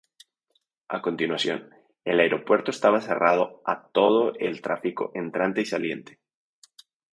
A continuación, el aeropuerto estaba cerrado a todo el tráfico entrante y saliente.